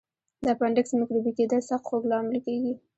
د اپنډکس میکروبي کېدل سخت خوږ لامل کېږي.